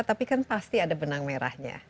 tapi kan pasti ada benang merahnya